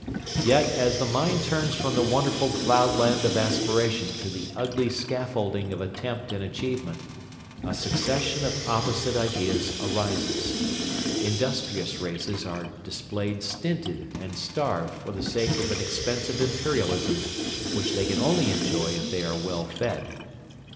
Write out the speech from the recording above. Yet as the mind turns from the wonderful cloudland of aspiration to the ugly scaffolding of attempt and achievement, a succession of opposite ideas arises. Industrious races are displayed stinted and starved for the sake of an expensive Imperialism which they can only enjoy if they are well fed.